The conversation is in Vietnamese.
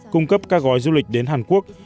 cung cấp các gói du lịch đến hàn quốc